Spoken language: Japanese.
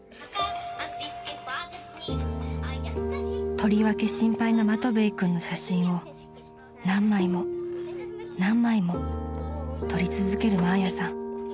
［とりわけ心配なマトヴェイ君の写真を何枚も何枚も撮り続けるマーヤさん］